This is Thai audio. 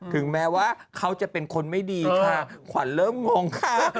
ถึงแม้ว่าเขาจะเป็นคนไม่ดีค่ะขวัญเริ่มงงค่ะ